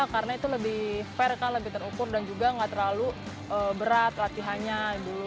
karena itu lebih fair kan lebih terukur dan juga gak terlalu berat latihannya dulu